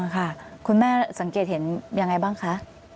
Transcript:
อ๋อค่ะคุณแม่สังเกตเห็นอย่างไรบ้างคะ